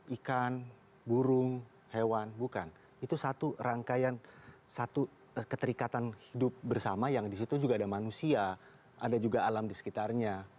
ikan burung hewan bukan itu satu rangkaian satu keterikatan hidup bersama yang disitu juga ada manusia ada juga alam di sekitarnya